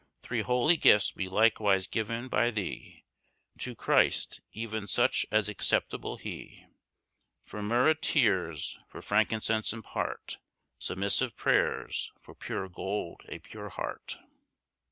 Three holy gifts be likewise given by thee To Christ, even such as acceptable be For myrrha tears; for frankincense impart Submissive prayers; for pure gold a pure heart."